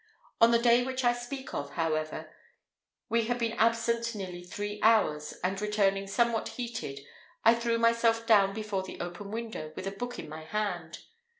On the day which I speak of, however, we had been absent nearly three hours, and, returning somewhat heated, I threw myself down before the open window, with a book in my hand.